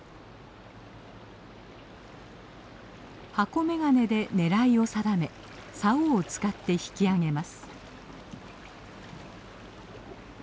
箱眼鏡で狙いを定めさおを使って引き上げます。